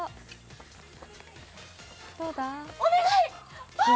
お願い！